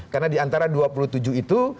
karena di antara dua puluh tujuh itu